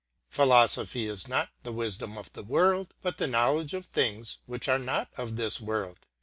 Philosophy is not the wisdom of the world, but the knowledge of things which are not of this world.